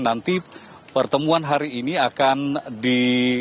dan nanti pertemuan hari ini akan di